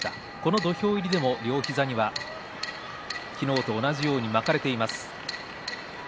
この土俵入りでも両膝には昨日と同じように巻かれています。